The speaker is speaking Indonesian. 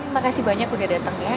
terima kasih banyak udah dateng ya